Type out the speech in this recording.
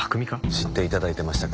知って頂いてましたか。